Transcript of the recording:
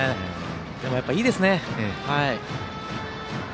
でもやっぱり、いいですね！